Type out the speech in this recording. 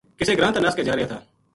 کِسے گراں تا نس کے جا رہیا تھا